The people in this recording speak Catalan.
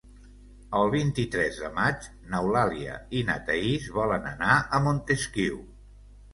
El vint-i-tres de maig n'Eulàlia i na Thaís volen anar a Montesquiu.